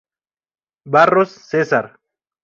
Barros, Cesar.